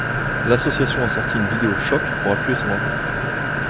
L'association a sorti une vidéo choc pour appuyer son enquête.